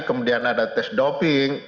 kemudian ada tes doping